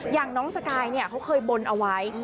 อย่างน้องสกายเขาเคยบนเอาไว้